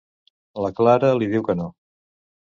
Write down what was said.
La Clara li diu que no.